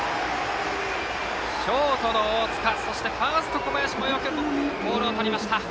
ショートの大塚そしてファースト、小林もよくボールをとりました。